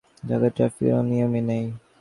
ঢাকায় ট্রাফিকের কোনো নিয়মই নেই।